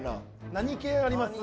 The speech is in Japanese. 何系あります？